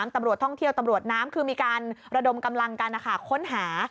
ตำรวจท่องเที่ยวตำรวจน้ำคือมีการระดมกำลังกันค้นหา